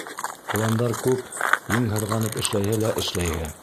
Пландар күп, ең һыҙғанып эшләйһе лә эшләйһе.